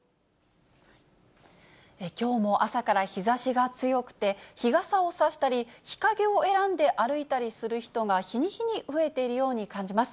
きょうも朝から日ざしが強くて、日傘を差したり、日陰を選んで歩いたりする人が日に日に増えているように感じます。